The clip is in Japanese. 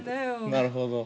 なるほど。